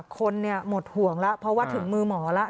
คนหมดห่วงแล้วเพราะว่าถึงมือหมอแล้ว